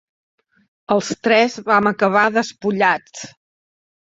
Els tres vam acabar despullats.